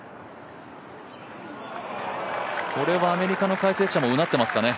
これはアメリカの解説者もうなってますかね。